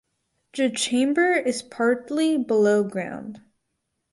The chamber is partly below ground.